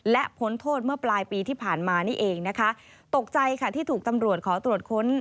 และพ้นโทษเมื่อปลายปีที่ผ่านมานี่เองนะคะตกใจค่ะที่ถูกตำรวจขอตรวจค้น